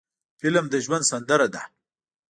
فلم د ژوند سندره ده